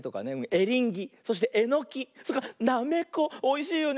エリンギそしてエノキそれからナメコおいしいよね。